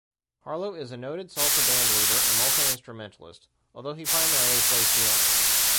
Harlow is a noted salsa bandleader and multi-instrumentalist, although he primarily plays piano.